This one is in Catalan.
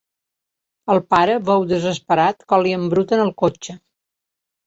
El pare veu desesperat com li embruten el cotxe.